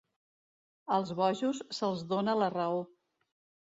Als bojos se'ls dóna la raó.